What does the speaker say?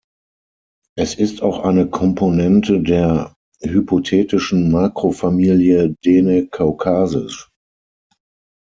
Es ist auch eine Komponente der hypothetischen Makrofamilie Dene-Kaukasisch.